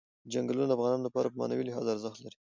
چنګلونه د افغانانو لپاره په معنوي لحاظ ارزښت لري.